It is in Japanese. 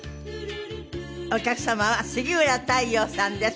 お客様は杉浦太陽さんです。